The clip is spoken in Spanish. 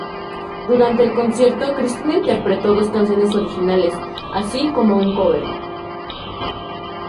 Durante el concierto, Christina interpretó dos canciones originales, así como un cover.